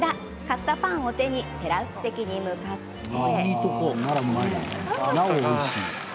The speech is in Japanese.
買ったパンを手にテラス席に向かって。